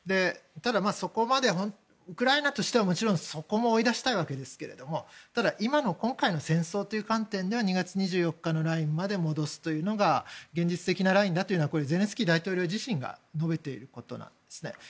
そこまでウクライナとしてはそこも追い出したいわけですけれども今の今回の戦争という観点では２月２４日のラインまで戻すというのが現実的なラインだというのはゼレンスキー大統領自身が述べていることなんですね。